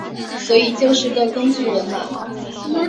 所以就是个工具人嘛